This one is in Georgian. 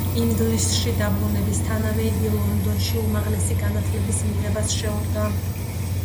ინგლისში დაბრუნებისთანავე იგი ლონდონში უმაღლესი განათლების მიღებას შეუდგა.